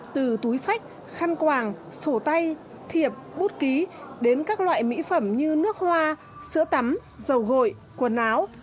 từ túi sách khăn quàng sổ tay thiệp bút ký đến các loại mỹ phẩm như nước hoa sữa tắm dầu hội quần áo